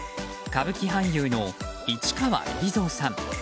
歌舞伎俳優の市川海老蔵さん。